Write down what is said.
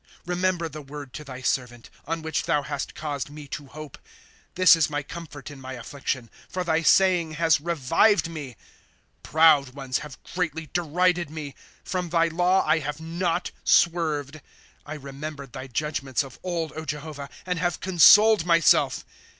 *^ Remember the word to thy servant. On which thou hast caused me to hope. ^^ This is my comfort in my affliction ; For thy saying has revived me. ^1 Proud ones have greatly derided me ; From thy law I have not swerved. ^^ I remembered thy judgments of old, Jehovah, And have consoled myself.